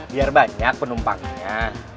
biar banyak penumpangnya